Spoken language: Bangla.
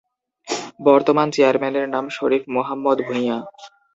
বর্তমান চেয়ারম্যানের নাম শরীফ মোহাম্মদ ভূইয়া।